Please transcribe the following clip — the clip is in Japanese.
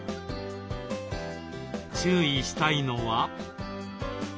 注意したいのは。